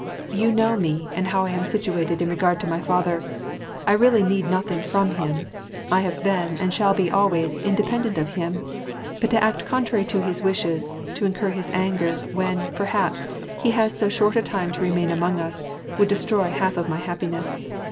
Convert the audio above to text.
You know me, and how I am situated in regard to my father : I really need nothing from him ; I have been, and shall he always, independent of him ; but to act contrary to his wishes, to incur his anger, when, perhaps, he has so snort a time to remain among us, would destroy half of my happiness.